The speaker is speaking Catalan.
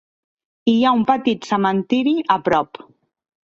Hi ha un petit cementiri a prop.